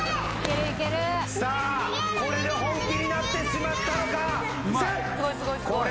さあこれで本気になってしまったのか。